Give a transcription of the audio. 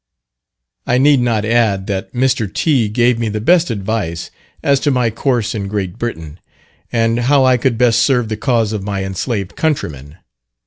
I need not add, that Mr. T. gave me the best advice, as to my course in Great Britain; and how I could best serve the cause of my enslaved countrymen.